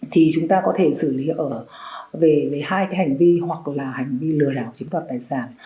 thì chúng ta có thể xử lý ở về hai hành vi hoặc là hành vi lừa đảo chiếm đoạt tài sản